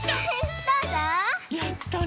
やったね。